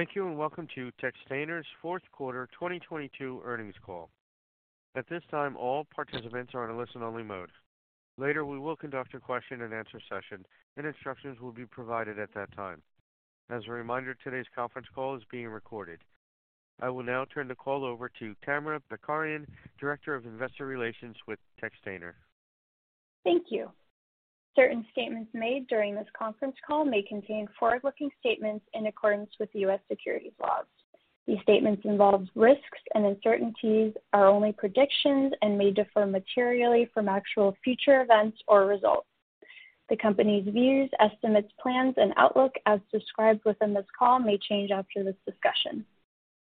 Thank you. Welcome to Textainer's fourth quarter 2022 earnings call. At this time, all participants are on a listen-only mode. Later, we will conduct a question and answer session, and instructions will be provided at that time. As a reminder, today's conference call is being recorded. I will now turn the call over to Tamara Bakarian, Director of Investor Relations with Textainer. Thank you. Certain statements made during this conference call may contain forward-looking statements in accordance with U.S. securities laws. These statements involve risks and uncertainties, are only predictions, and may differ materially from actual future events or results. The company's views, estimates, plans, and outlook as described within this call may change after this discussion.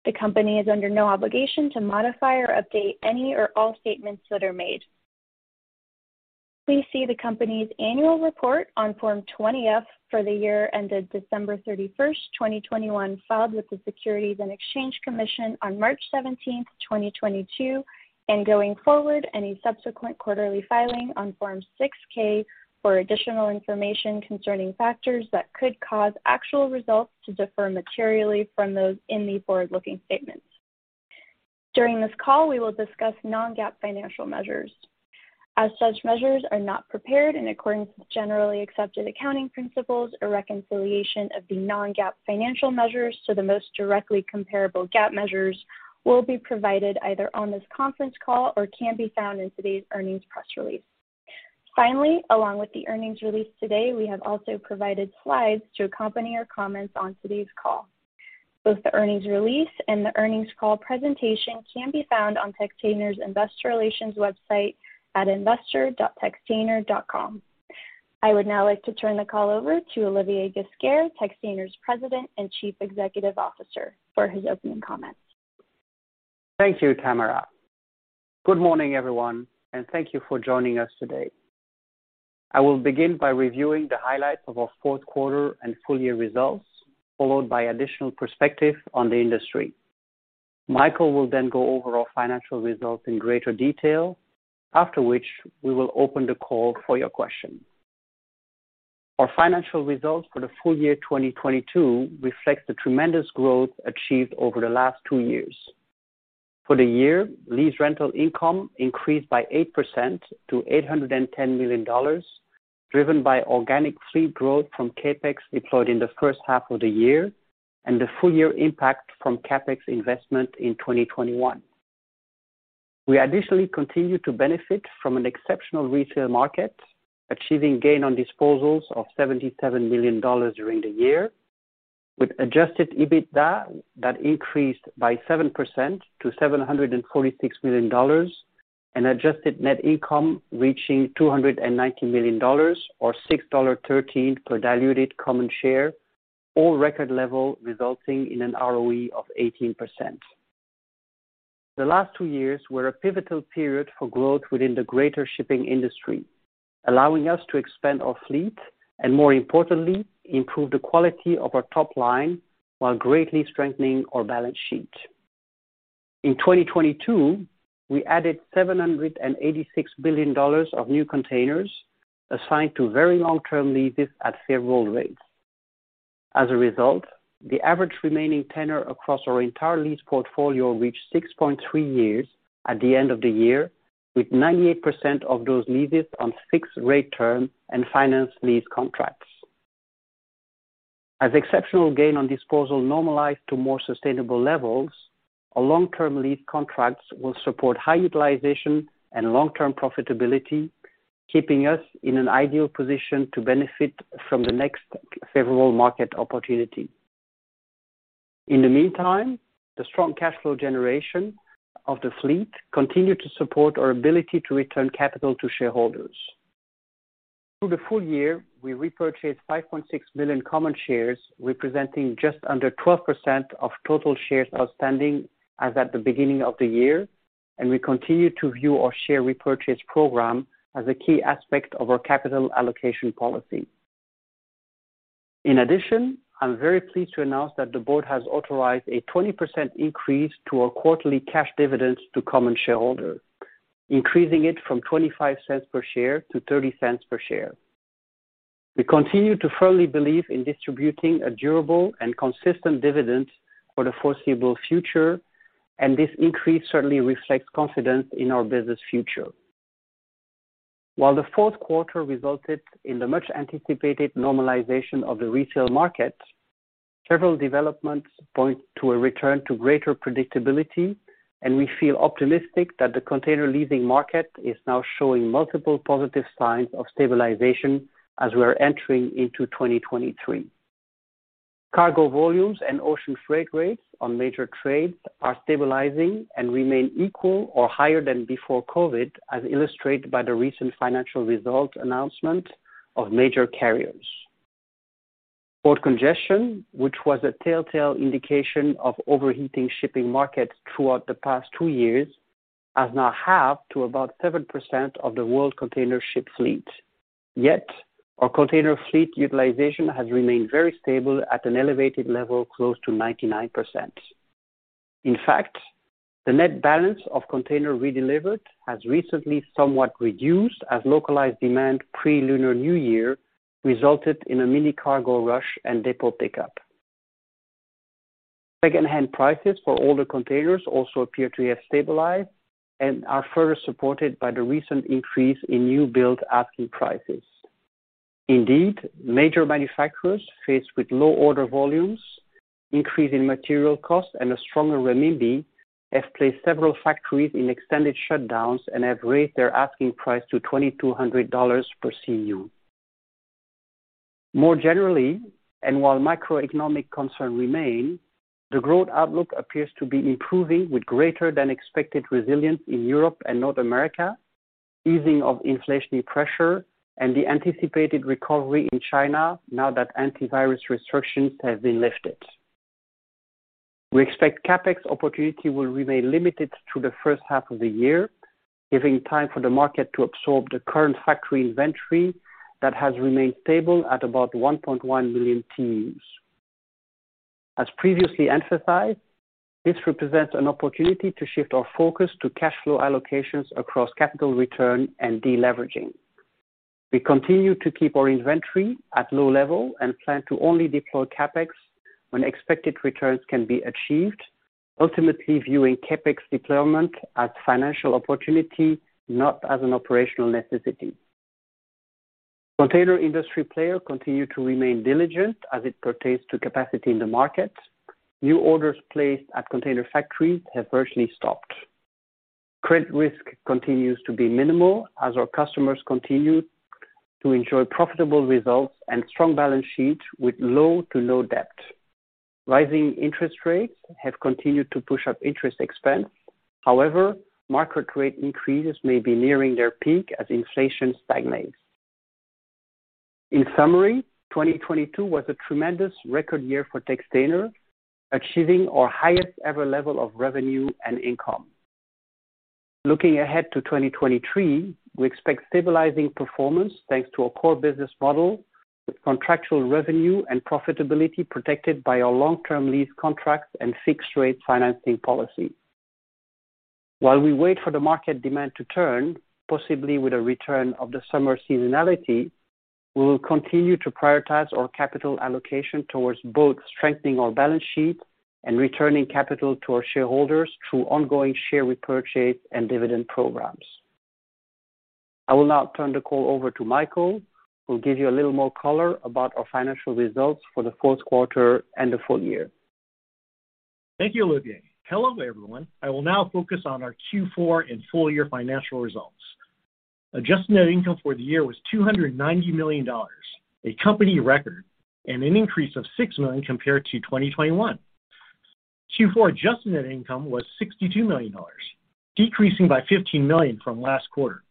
The company is under no obligation to modify or update any or all statements that are made. Please see the company's annual report on Form 20-F for the year ended December 31st, 2021, filed with the Securities and Exchange Commission on March 17th, 2022, and going forward, any subsequent quarterly filing on Form 6-K for additional information concerning factors that could cause actual results to differ materially from those in the forward-looking statements. During this call, we will discuss non-GAAP financial measures. As such measures are not prepared in accordance with Generally Accepted Accounting Principles or reconciliation of the non-GAAP financial measures to the most directly comparable GAAP measures will be provided either on this conference call or can be found in today's earnings press release. Finally, along with the earnings release today, we have also provided slides to accompany our comments on today's call. Both the earnings release and the earnings call presentation can be found on Textainer's Investor Relations website at investor.textainer.com. I would now like to turn the call over to Olivier Ghesquiere, Textainer's President and Chief Executive Officer, for his opening comments. Thank you, Tamara. Good morning, everyone. Thank you for joining us today. I will begin by reviewing the highlights of our fourth quarter and full year results, followed by additional perspective on the industry. Michael will go over our financial results in greater detail, after which we will open the call for your questions. Our financial results for the full year 2022 reflects the tremendous growth achieved over the last two years. For the year, lease rental income increased by 8% to $810 million, driven by organic fleet growth from CapEx deployed in the first half of the year and the full year impact from CapEx investment in 2021. We additionally continued to benefit from an exceptional resale market, achieving gain on disposals of $77 million during the year, with adjusted EBITDA that increased by 7% to $746 million and adjusted net income reaching $290 million or $6.13 per diluted common share, all record level resulting in an ROE of 18%. The last two years were a pivotal period for growth within the greater shipping industry, allowing us to expand our fleet and, more importantly, improve the quality of our top line while greatly strengthening our balance sheet. In 2022, we added $786 billion of new containers assigned to very long-term leases at favorable rates. As a result, the average remaining tenor across our entire lease portfolio reached 6.3 years at the end of the year, with 98% of those leases on fixed rate term and finance lease contracts. As exceptional gain on disposal normalized to more sustainable levels, our long-term lease contracts will support high utilization and long-term profitability, keeping us in an ideal position to benefit from the next favorable market opportunity. In the meantime, the strong cash flow generation of the fleet continued to support our ability to return capital to shareholders. Through the full year, we repurchased 5.6 million common shares, representing just under 12% of total shares outstanding as at the beginning of the year. We continue to view our share repurchase program as a key aspect of our capital allocation policy. I'm very pleased to announce that the board has authorized a 20% increase to our quarterly cash dividends to common shareholders, increasing it from $0.25 per share to $0.30 per share. We continue to firmly believe in distributing a durable and consistent dividend for the foreseeable future. This increase certainly reflects confidence in our business future. While the fourth quarter resulted in the much anticipated normalization of the resale market, several developments point to a return to greater predictability. We feel optimistic that the container leasing market is now showing multiple positive signs of stabilization as we are entering into 2023. Cargo volumes and ocean freight rates on major trades are stabilizing and remain equal or higher than before COVID, as illustrated by the recent financial results announcement of major carriers. Port congestion, which was a telltale indication of overheating shipping markets throughout the past two years, has now halved to about 7% of the world container ship fleet. Yet, our container fleet utilization has remained very stable at an elevated level close to 99%. In fact, the net balance of container redelivered has recently somewhat reduced as localized demand pre-Lunar New Year resulted in a mini cargo rush and depot pickup. Secondhand prices for older containers also appear to have stabilized and are further supported by the recent increase in new build asking prices. Indeed, major manufacturers, faced with low order volumes, increase in material costs, and a stronger renminbi, have placed several factories in extended shutdowns and have raised their asking price to $2,200 per CEU. More generally, and while macroeconomic concerns remain, the growth outlook appears to be improving, with greater than expected resilience in Europe and North America, easing of inflationary pressure, and the anticipated recovery in China now that antivirus restrictions have been lifted. We expect CapEx opportunity will remain limited through the first half of the year, giving time for the market to absorb the current factory inventory that has remained stable at about 1.1 million TEUs. As previously emphasized, this represents an opportunity to shift our focus to cash flow allocations across capital return and deleveraging. We continue to keep our inventory at low level and plan to only deploy CapEx when expected returns can be achieved, ultimately viewing CapEx deployment as financial opportunity, not as an operational necessity. Container industry player continue to remain diligent as it pertains to capacity in the market. New orders placed at container factories have virtually stopped. Credit risk continues to be minimal as our customers continue to enjoy profitable results and strong balance sheets with low to no debt. Rising interest rates have continued to push up interest expense. Market rate increases may be nearing their peak as inflation stagnates. In summary, 2022 was a tremendous record year for Textainer, achieving our highest ever level of revenue and income. Looking ahead to 2023, we expect stabilizing performance, thanks to our core business model with contractual revenue and profitability protected by our long-term lease contracts and fixed rate financing policy. While we wait for the market demand to turn, possibly with a return of the summer seasonality, we will continue to prioritize our capital allocation towards both strengthening our balance sheet and returning capital to our shareholders through ongoing share repurchase and dividend programs. I will now turn the call over to Michael, who will give you a little more color about our financial results for the fourth quarter and the full year. Thank you, Olivier. Hello, everyone. I will now focus on our Q4 and full year financial results. Adjusted net income for the year was $290 million, a company record, and an increase of $6 million compared to 2021. Q4 adjusted net income was $62 million, decreasing by $15 million from last quarter.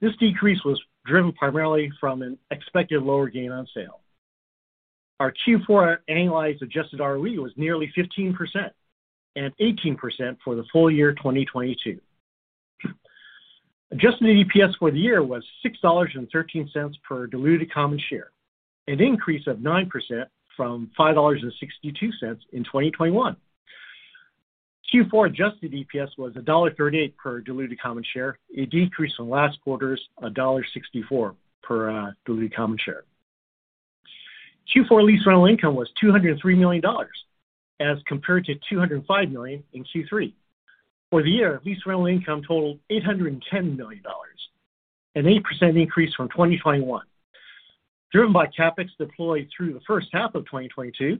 This decrease was driven primarily from an expected lower gain on sale. Our Q4 annualized adjusted ROE was nearly 15% and 18% for the full year 2022. Adjusted EPS for the year was $6.13 per diluted common share, an increase of 9% from $5.62 in 2021. Q4 adjusted EPS was $1.38 per diluted common share, a decrease from last quarter's $1.64 per diluted common share. Q4 lease rental income was $203 million as compared to $205 million in Q3. For the year, lease rental income totaled $810 million, an 8% increase from 2021, driven by CapEx deployed through the first half of 2022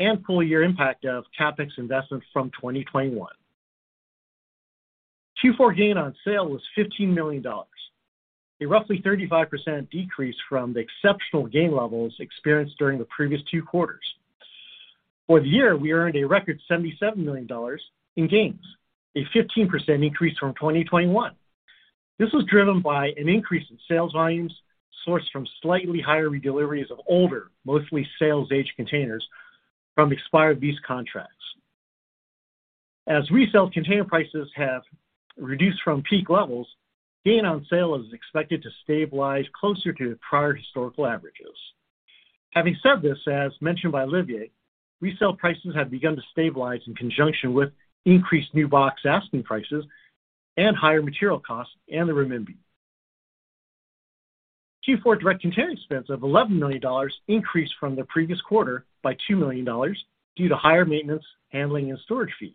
and full year impact of CapEx investments from 2021. Q4 gain on sale was $15 million, a roughly 35% decrease from the exceptional gain levels experienced during the previous two quarters. For the year, we earned a record $77 million in gains, a 15% increase from 2021. This was driven by an increase in sales volumes sourced from slightly higher redeliveries of older, mostly sales age containers from expired lease contracts. As resale container prices have reduced from peak levels, gain on sale is expected to stabilize closer to prior historical averages. Having said this, as mentioned by Olivier, resale prices have begun to stabilize in conjunction with increased new box asking prices and higher material costs and the renminbi. Q4 direct container expense of $11 million increased from the previous quarter by $2 million due to higher maintenance, handling, and storage fees.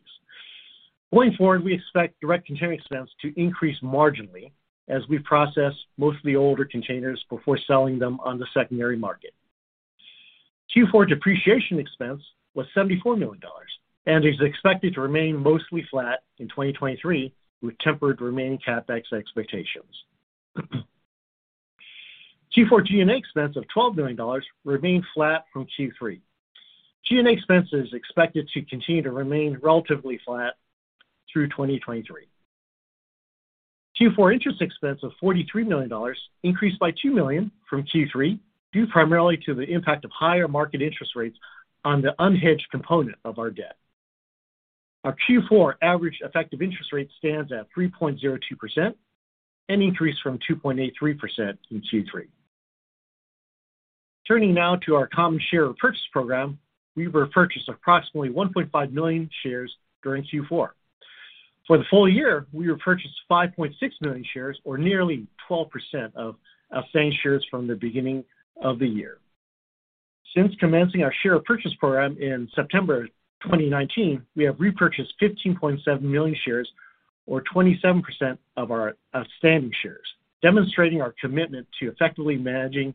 Going forward, we expect direct container expense to increase marginally as we process mostly older containers before selling them on the secondary market. Q4 depreciation expense was $74 million and is expected to remain mostly flat in 2023 with tempered remaining CapEx expectations. Q4 G&A expense of $12 million remained flat from Q3. G&A expense is expected to continue to remain relatively flat through 2023. Q4 interest expense of $43 million increased by $2 million from Q3, due primarily to the impact of higher market interest rates on the unhedged component of our debt. Our Q4 average effective interest rate stands at 3.02%, an increase from 2.83% in Q3. Turning now to our common share repurchase program. We repurchased approximately 1.5 million shares during Q4. For the full year, we repurchased 5.6 million shares, or nearly 12% of outstanding shares from the beginning of the year. Since commencing our share repurchase program in September 2019, we have repurchased 15.7 million shares or 27% of our outstanding shares, demonstrating our commitment to effectively managing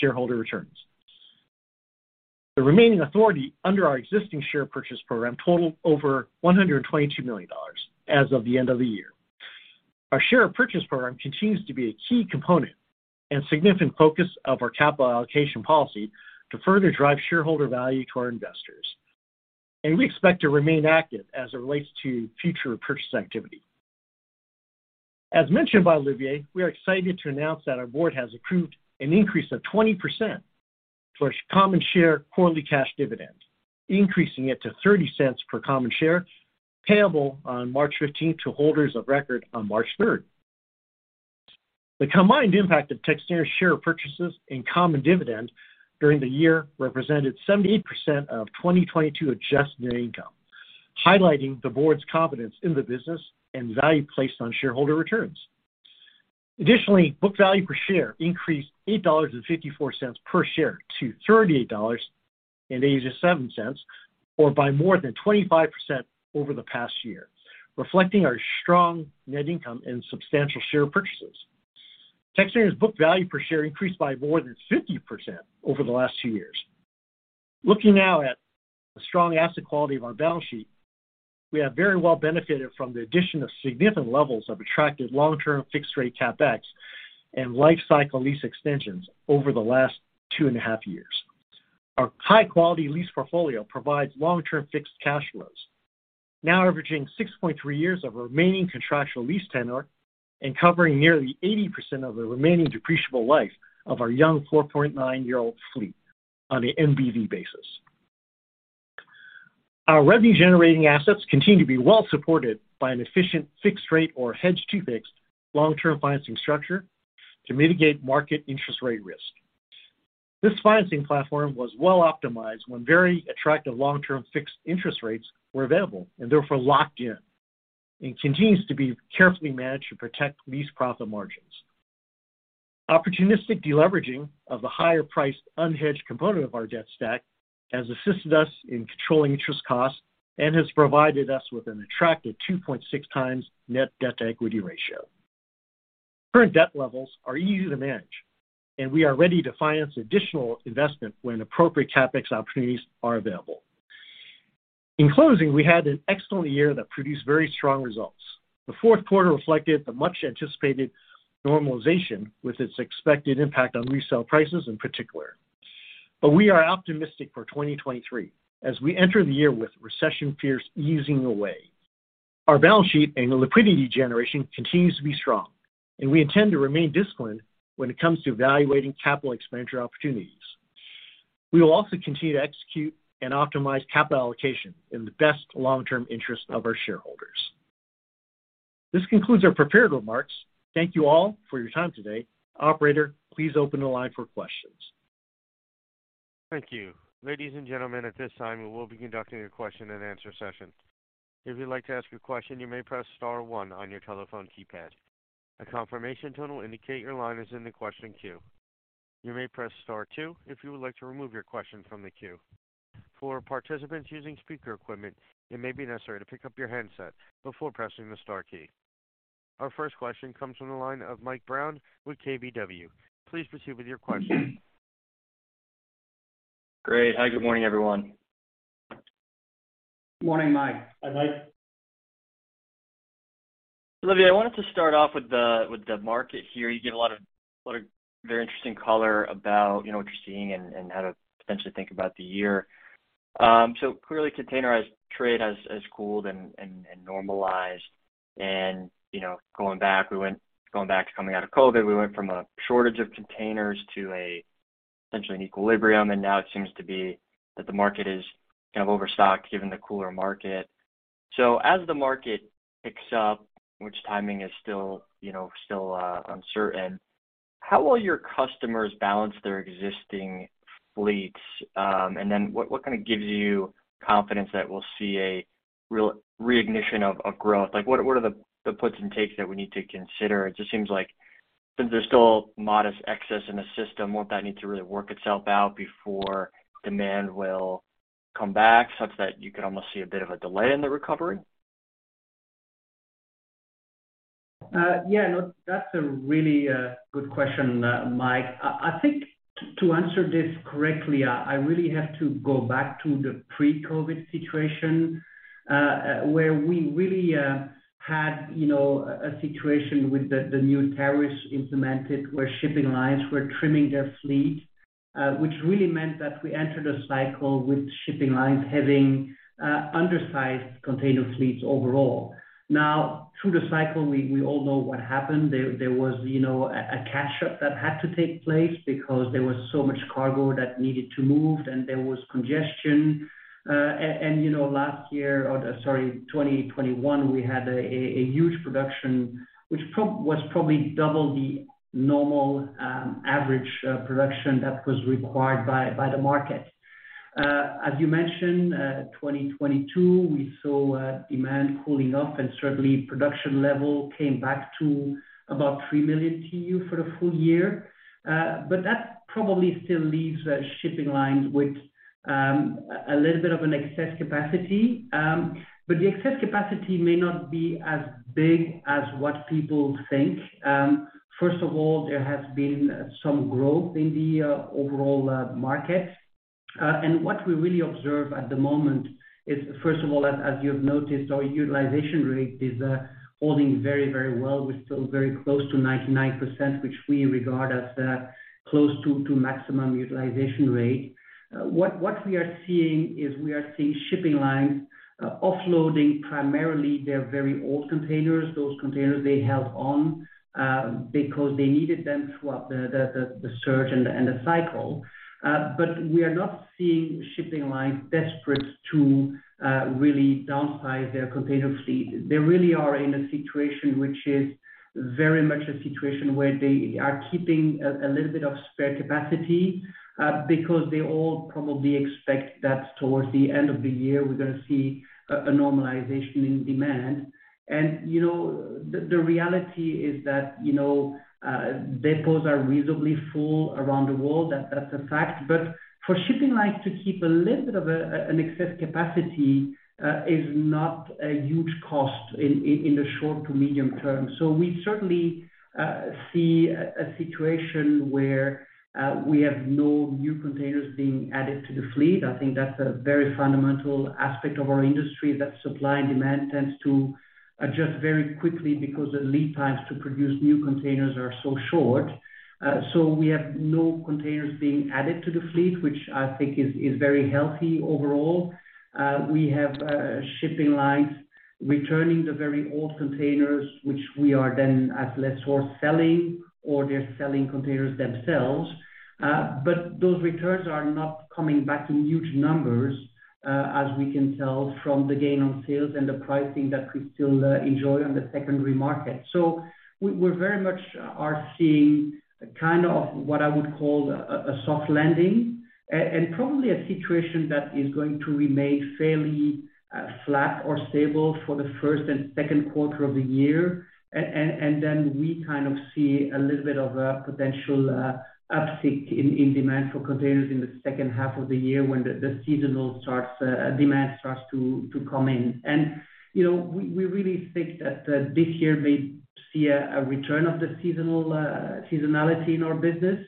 shareholder returns. The remaining authority under our existing share purchase program totaled over $122 million as of the end of the year. Our share repurchase program continues to be a key component and significant focus of our capital allocation policy to further drive shareholder value to our investors, and we expect to remain active as it relates to future purchase activity. As mentioned by Olivier, we are excited to announce that our board has approved an increase of 20% for common share quarterly cash dividend, increasing it to $0.30 per common share, payable on March 15th to holders of record on March 3rd. The combined impact of Textainer's share purchases and common dividend during the year represented 78% of 2022 adjusted net income, highlighting the board's confidence in the business and value placed on shareholder returns. Additionally, book value per share increased $8.54 per share to $38.87, or by more than 25% over the past year, reflecting our strong net income and substantial share purchases. Textainer's book value per share increased by more than 50% over the last two years. Looking now at the strong asset quality of our balance sheet, we have very well benefited from the addition of significant levels of attractive long-term fixed-rate CapEx and life cycle lease extensions over the last two and a half years. Our high-quality lease portfolio provides long-term fixed cash flows, now averaging 6.3 years of remaining contractual lease tenure and covering nearly 80% of the remaining depreciable life of our young 4.9-year-old fleet on an NBV basis. Our revenue-generating assets continue to be well supported by an efficient fixed rate or hedged to fixed long-term financing structure to mitigate market interest rate risk. This financing platform was well optimized when very attractive long-term fixed interest rates were available and therefore locked in and continues to be carefully managed to protect lease profit margins. Opportunistic deleveraging of the higher-priced unhedged component of our debt stack has assisted us in controlling interest costs and has provided us with an attractive 2.6x net debt-to-equity ratio. Current debt levels are easy to manage. We are ready to finance additional investment when appropriate CapEx opportunities are available. In closing, we had an excellent year that produced very strong results. The fourth quarter reflected the much-anticipated normalization with its expected impact on resale prices in particular. We are optimistic for 2023 as we enter the year with recession fears easing away. Our balance sheet and liquidity generation continues to be strong, and we intend to remain disciplined when it comes to evaluating capital expenditure opportunities. We will also continue to execute and optimize capital allocation in the best long-term interest of our shareholders. This concludes our prepared remarks. Thank you all for your time today. Operator, please open the line for questions. Thank you. Ladies and gentlemen, at this time, we will be conducting a question-and-answer session. If you'd like to ask a question, you may press star one on your telephone keypad. A confirmation tone will indicate your line is in the question queue. You may press star two if you would like to remove your question from the queue. For participants using speaker equipment, it may be necessary to pick up your handset before pressing the star key. Our first question comes from the line of Michael Brown with KBW. Please proceed with your question. Great. Hi, good morning, everyone. Morning, Mike. Hi, Mike. Olivier, I wanted to start off with the market here. You give a lot of very interesting color about, you know, what you're seeing and how to potentially think about the year. Clearly containerized trade has cooled and normalized. You know, going back to coming out of COVID, we went from a shortage of containers to a potentially an equilibrium. Now it seems to be that the market is kind of overstocked given the cooler market. As the market picks up, which timing is still, you know, still uncertain, how will your customers balance their existing fleets? What kind of gives you confidence that we'll see a real re-ignition of growth? Like what are the puts and takes that we need to consider? It just seems like since there's still modest excess in the system, won't that need to really work itself out before demand will come back such that you could almost see a bit of a delay in the recovery? Yeah, no, that's a really good question, Mike. I think to answer this correctly, I really have to go back to the pre-COVID situation, where we really had, you know, a situation with the new tariffs implemented, where shipping lines were trimming their fleet. Which really meant that we entered a cycle with shipping lines having undersized container fleets overall. Through the cycle, we all know what happened. There was, you know, a catch-up that had to take place because there was so much cargo that needed to move, and there was congestion. You know, last year or sorry, 2021, we had a huge production, which was probably double the normal average production that was required by the market. As you mentioned, 2022, we saw demand cooling off and certainly production level came back to about 3 million TEUs for the full year. That probably still leaves the shipping lines with a little bit of an excess capacity. The excess capacity may not be as big as what people think. First of all, there has been some growth in the overall market. What we really observe at the moment is, first of all, as you have noticed, our utilization rate is holding very, very well. We're still very close to 99%, which we regard as close to maximum utilization rate. What we are seeing is we are seeing shipping lines offloading primarily their very old containers, those containers they held on because they needed them throughout the surge and the cycle. We are not seeing shipping lines desperate to really downsize their container fleet. They really are in a situation which is very much a situation where they are keeping a little bit of spare capacity because they all probably expect that towards the end of the year, we're gonna see a normalization in demand. You know, the reality is that, you know, depots are reasonably full around the world, that's a fact. For shipping lines to keep a little bit of an excess capacity is not a huge cost in the short to medium term. We certainly see a situation where we have no new containers being added to the fleet. That's a very fundamental aspect of our industry, that supply and demand tends to adjust very quickly because the lead times to produce new containers are so short. We have no containers being added to the fleet, which I think is very healthy overall. We have shipping lines returning the very old containers, which we are then at less source selling or they're selling containers themselves. Those returns are not coming back in huge numbers, as we can tell from the gain on sales and the pricing that we still enjoy on the secondary market. We very much are seeing kind of what I would call a soft landing and probably a situation that is going to remain fairly flat or stable for the first and second quarter of the year. Then we kind of see a little bit of a potential uptick in demand for containers in the second half of the year when the seasonal starts, demand starts to come in. You know, we really think that this year may see a return of the seasonal seasonality in our business.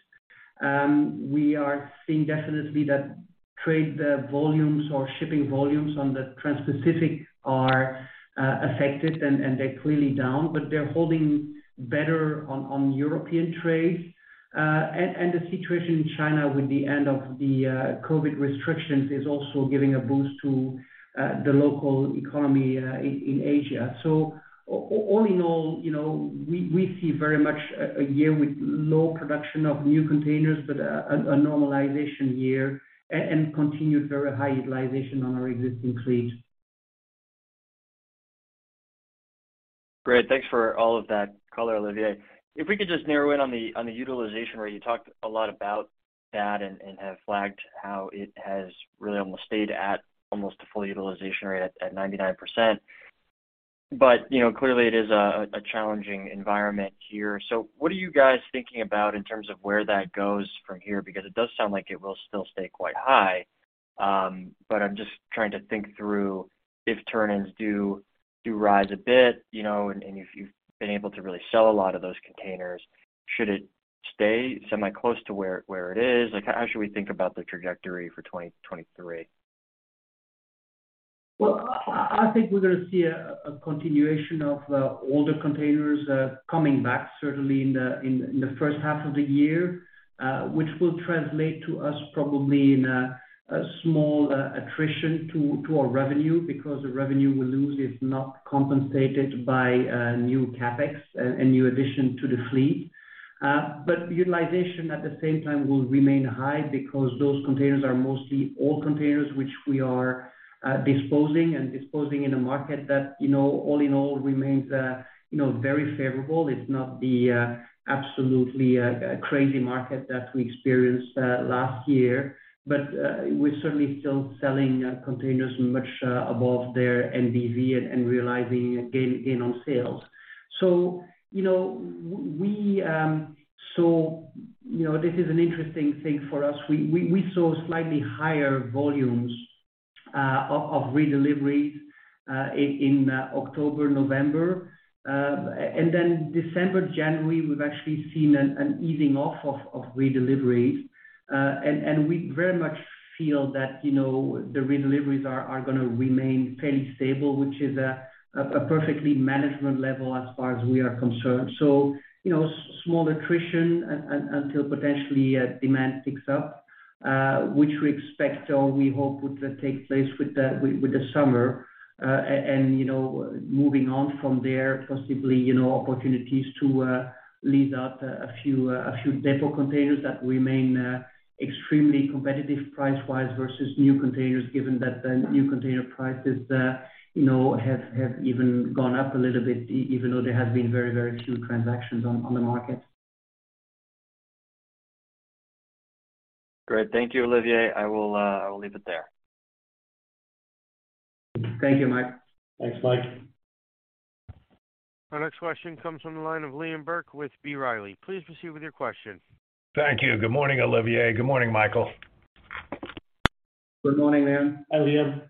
We are seeing definitely that trade volumes or shipping volumes on the Transpacific are affected and they're clearly down, but they're holding better on European trades. The situation in China with the end of the COVID restrictions is also giving a boost to the local economy in Asia. All in all, you know, we see very much a year with low production of new containers, but a normalization year and continued very high utilization on our existing fleet. Great. Thanks for all of that color, Olivier. If we could just narrow in on the utilization where you talked a lot about that and have flagged how it has really almost stayed at almost a full utilization rate at 99%. You know, clearly it is a challenging environment here. What are you guys thinking about in terms of where that goes from here? Because it does sound like it will still stay quite high. I'm just trying to think through if turn-ins do rise a bit, you know, and if you've been able to really sell a lot of those containers, should it stay semi close to where it is? Like, how should we think about the trajectory for 2023? Well, I think we're gonna see a continuation of older containers coming back certainly in the first half of the year, which will translate to us probably in a small attrition to our revenue because the revenue we lose is not compensated by new CapEx and new addition to the fleet. But utilization at the same time will remain high because those containers are mostly old containers, which we are disposing in a market that, you know, all in all remains, you know, very favorable. It's not the absolutely crazy market that we experienced last year. We're certainly still selling containers much above their NDV and realizing a gain in on sales. You know, we saw... You know, this is an interesting thing for us. We saw slightly higher volumes of redeliveries in October, November. December, January, we've actually seen an easing off of redeliveries. We very much feel that, you know, the redeliveries are gonna remain fairly stable, which is a perfectly management level as far as we are concerned. You know, small attrition until potentially demand picks up, which we expect or we hope would take place with the summer. You know, moving on from there, possibly, you know, opportunities to lease out a few, a few depot containers that remain extremely competitive price-wise versus new containers, given that the new container prices, you know, have even gone up a little bit, even though there have been very few transactions on the market. Great. Thank you, Olivier. I will leave it there. Thank you, Mike. Thanks, Mike. Our next question comes from the line of Liam Burke with B. Riley. Please proceed with your question. Thank you. Good morning, Olivier. Good morning, Michael. Good morning, Liam. Hi, Liam.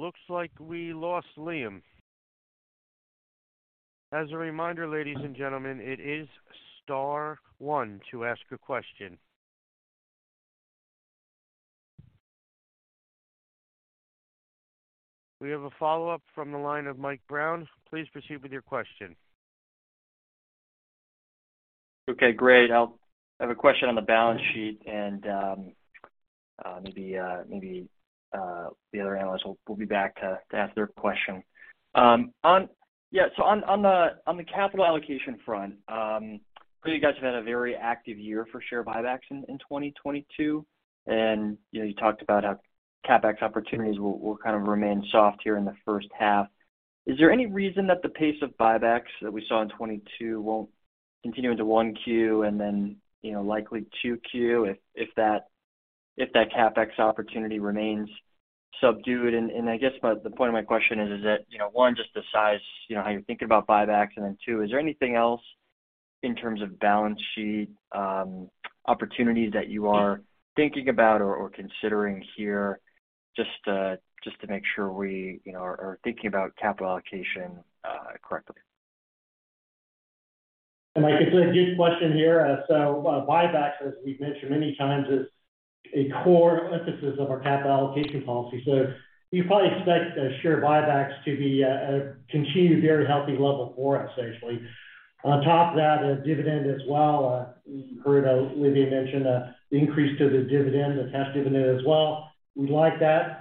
Looks like we lost Liam. As a reminder, ladies and gentlemen, it is star one to ask a question. We have a follow-up from the line of Michael Brown. Please proceed with your question. Okay, great. I have a question on the balance sheet, and maybe the other analysts will be back to ask their question. On the capital allocation front, you guys have had a very active year for share buybacks in 2022. You know, you talked about how CapEx opportunities will kind of remain soft here in the first half. Is there any reason that the pace of buybacks that we saw in 2022 won't continue into 1Q and then, you know, likely 2Q if that CapEx opportunity remains subdued? I guess the point of my question is that, you know, one, just the size, you know, how you're thinking about buybacks. Two, is there anything else in terms of balance sheet, opportunities that you are thinking about or considering here just to make sure we, you know, are thinking about capital allocation, correctly? Mike, it's a good question here. Buybacks, as we've mentioned many times, is a core emphasis of our capital allocation policy. You probably expect the share buybacks to be continue very healthy level for us, actually. On top of that, a dividend as well. You heard Olivier mention the increase to the dividend, the cash dividend as well. We like that.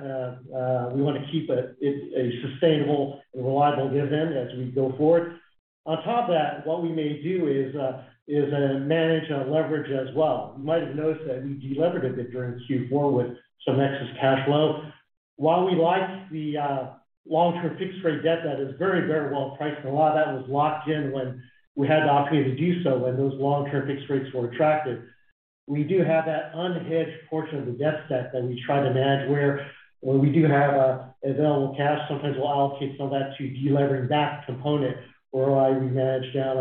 We want to keep it a sustainable and reliable dividend as we go forward. On top of that, what we may do is manage our leverage as well. You might have noticed that we delivered a bit during Q4 with some excess cash flow. While we like the long-term fixed rate debt that is very, very well priced, and a lot of that was locked in when we had the opportunity to do so when those long-term fixed rates were attractive. We do have that unhedged portion of the debt set that we try to manage, where when we do have available cash, sometimes we'll allocate some of that to delevering that component or while we manage down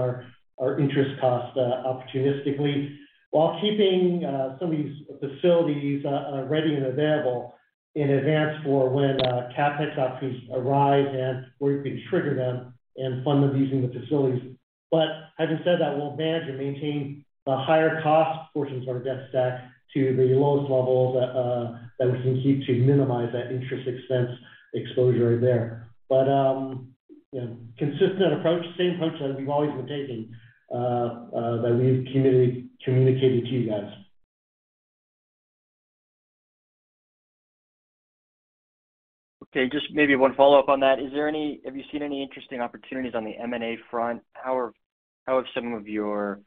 our interest costs opportunistically while keeping some of these facilities ready and available in advance for when CapEx opportunities arise and where we can trigger them and fund them using the facilities. As I said, that we'll manage and maintain the higher cost portions of our debt stack to the lowest levels that we can keep to minimize that interest expense exposure there. You know, consistent approach, same approach that we've always been taking, that we've communicated to you guys. Okay, just maybe one follow-up on that. Have you seen any interesting opportunities on the M&A front? How have some of your,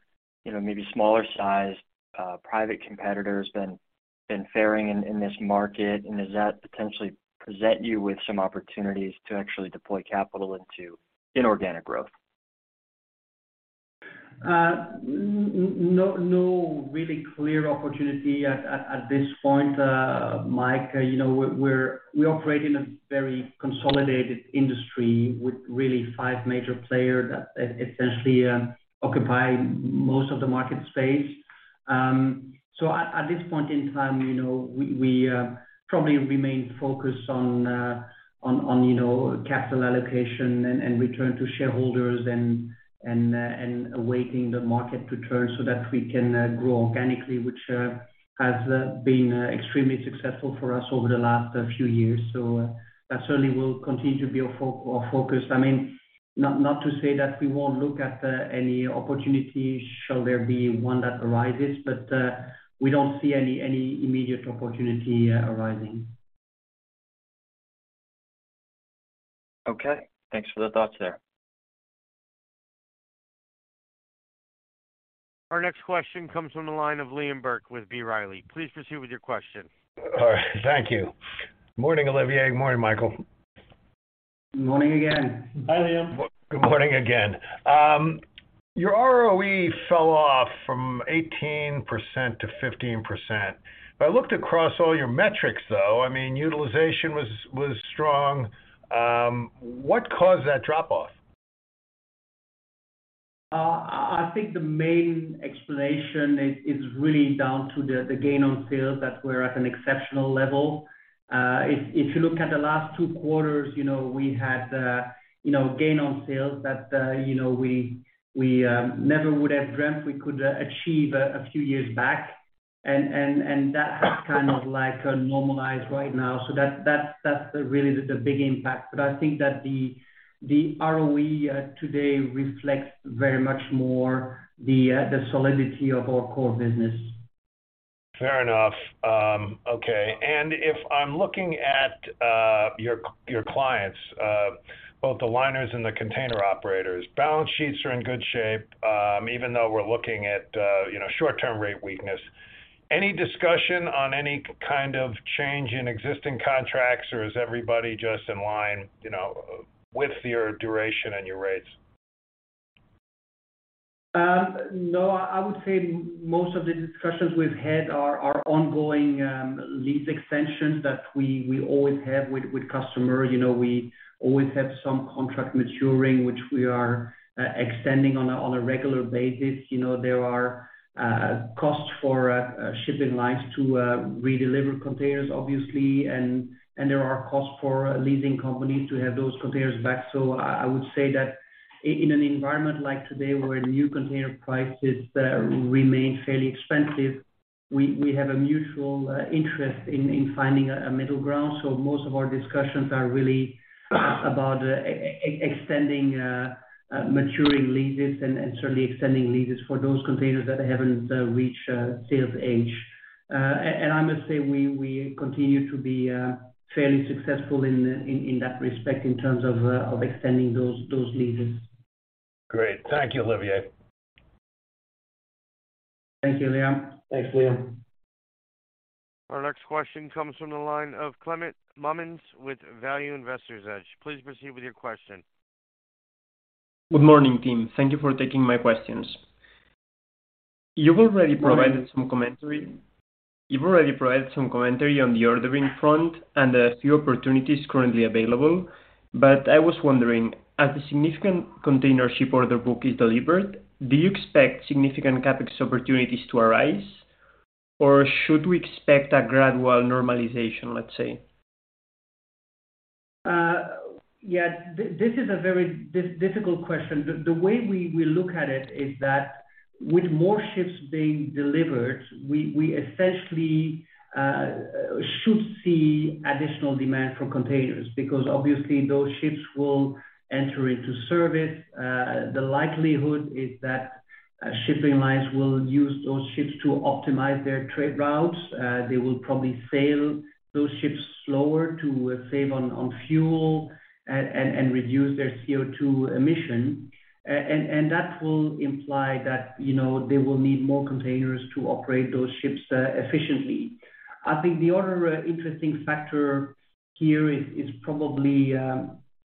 you know, maybe smaller sized private competitors been faring in this market? Does that potentially present you with some opportunities to actually deploy capital into inorganic growth? No, no really clear opportunity at this point, Mike. You know, we operate in a very consolidated industry with really five major players that essentially occupy most of the market space. At this point in time, you know, we probably remain focused on, you know, capital allocation and return to shareholders and awaiting the market to turn so that we can grow organically, which has been extremely successful for us over the last few years. That certainly will continue to be our focus. I mean, not to say that we won't look at any opportunity should there be one that arises, but we don't see any immediate opportunity arising. Okay. Thanks for the thoughts there. Our next question comes from the line of Liam Burke with B. Riley. Please proceed with your question. All right. Thank you. Morning, Olivier. Morning, Michael. Morning again. Hi, Liam. Good morning again. Your ROE fell off from 18% to 15%. I looked across all your metrics, though. I mean, utilization was strong. What caused that drop-off? I think the main explanation is really down to the gain on sales that were at an exceptional level. If you look at the last two quarters, you know, we had, you know, gain on sales that, you know, we never would have dreamt we could achieve a few years back. That has kind of like normalized right now. That's really the big impact. I think that the ROE today reflects very much more the solidity of our core business. Fair enough. Okay. If I'm looking at your clients, both the liners and the container operators, balance sheets are in good shape, even though we're looking at, you know, short-term rate weakness. Any discussion on any kind of change in existing contracts, or is everybody just in line, you know, with your duration and your rates? No. I would say most of the discussions we've had are ongoing lease extensions that we always have with customers. You know, we always have some contract maturing, which we are extending on a regular basis. You know, there are costs for shipping lines to redeliver containers, obviously, and there are costs for leasing companies to have those containers back. I would say that in an environment like today, where new container prices remain fairly expensive, we have a mutual interest in finding a middle ground. Most of our discussions are really about extending maturing leases and certainly extending leases for those containers that haven't reached sales age. I must say, we continue to be fairly successful in that respect, in terms of extending those leases. Great. Thank you, Olivier. Thank you, Liam. Thanks, Liam. Our next question comes from the line of Clement Mullins with Value Investors Edge. Please proceed with your question. Good morning, team. Thank you for taking my questions. You've already provided some commentary on the ordering front and the few opportunities currently available, I was wondering, as the significant container ship order book is delivered, do you expect significant CapEx opportunities to arise, or should we expect a gradual normalization, let's say? Yeah. This is a very difficult question. The way we look at it is that with more ships being delivered, we essentially should see additional demand for containers because obviously those ships will enter into service. The likelihood is that shipping lines will use those ships to optimize their trade routes. They will probably sail those ships slower to save on fuel and reduce their CO2 emission. That will imply that, you know, they will need more containers to operate those ships efficiently. I think the other interesting factor here is probably,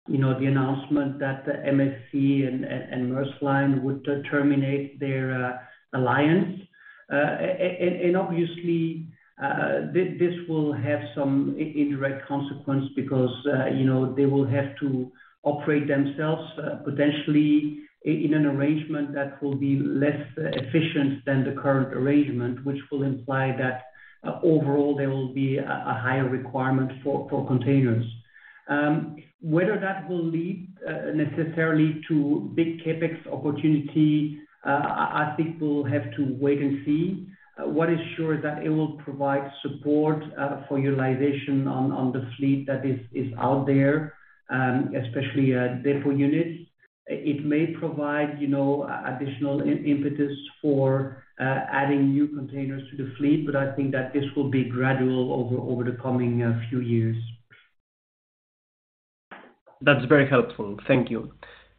you know, the announcement that the MSC and Maersk line would terminate their alliance. Obviously, this will have some indirect consequence because, you know, they will have to operate themselves, potentially in an arrangement that will be less efficient than the current arrangement, which will imply that overall there will be a higher requirement for containers. Whether that will lead necessarily to big CapEx opportunity, I think we'll have to wait and see. What is sure is that it will provide support for utilization on the fleet that is out there, especially Depot units. It may provide, you know, additional impetus for adding new containers to the fleet, but I think that this will be gradual over the coming few years. That's very helpful. Thank you.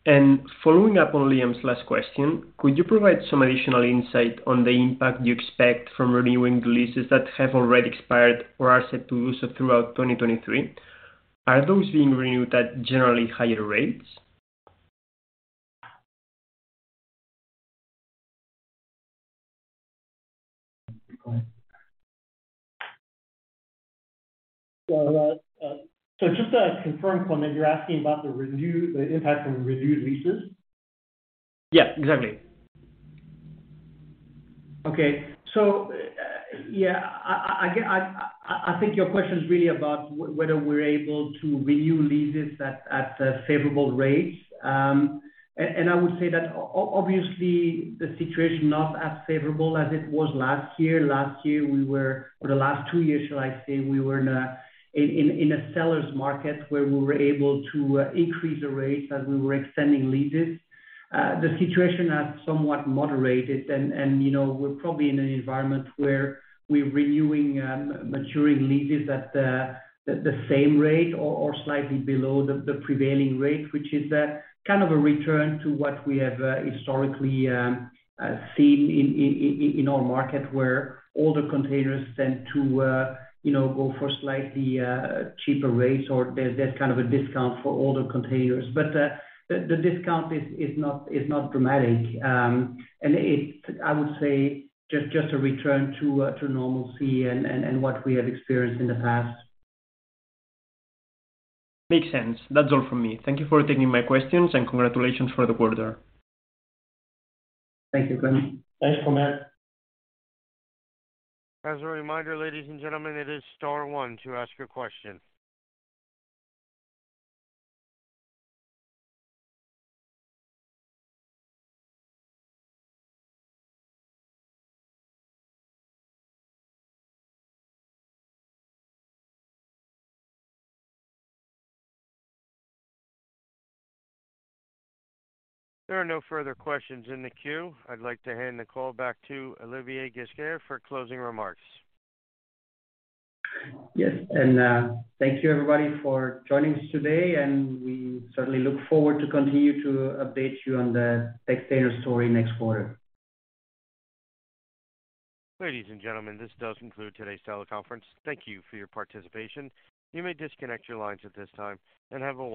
Following up on Liam's last question, could you provide some additional insight on the impact you expect from renewing the leases that have already expired or are set to lose throughout 2023? Are those being renewed at generally higher rates? just to confirm, Clement, you're asking about the impact from renewed leases? Yeah, exactly. Yeah, I think your question is really about whether we're able to renew leases at favorable rates. And I would say that obviously the situation not as favorable as it was last year. For the last two years, shall I say, we were in a seller's market where we were able to increase the rates as we were extending leases. The situation has somewhat moderated and, you know, we're probably in an environment where we're renewing, maturing leases at the same rate or slightly below the prevailing rate, which is kind of a return to what we have historically seen in our market where older containers tend to, you know, go for slightly cheaper rates or there's kind of a discount for older containers. The discount is not dramatic. I would say just a return to normalcy and what we have experienced in the past. Makes sense. That's all from me. Thank you for taking my questions. Congratulations for the quarter. Thank you, Clement. Thanks, Clement. As a reminder, ladies and gentlemen, it is star one to ask your question. There are no further questions in the queue. I'd like to hand the call back to Olivier Ghesquiere for closing remarks. Yes. Thank you, everybody, for joining us today, and we certainly look forward to continue to update you on the Textainer story next quarter. Ladies and gentlemen, this does conclude today's teleconference. Thank you for your participation. You may disconnect your lines at this time, and have a wonderful day.